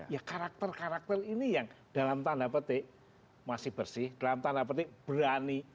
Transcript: ya karakter karakter ini yang dalam tanda petik masih bersih dalam tanda petik berani